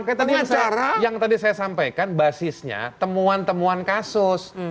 makanya tadi yang saya sampaikan basisnya temuan temuan kasus